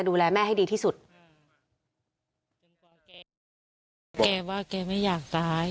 คุณสังเงียมต้องตายแล้วคุณสังเงียม